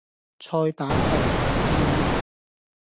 菜膽燉魚翅